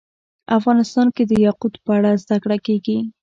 افغانستان کې د یاقوت په اړه زده کړه کېږي.